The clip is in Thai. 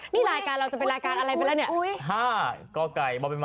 นี่รายการเราจะเป็นรายการอะไรไปแล้วเนี่ย